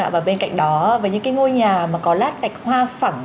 và bên cạnh đó với những ngôi nhà có lát gạch hoa phẳng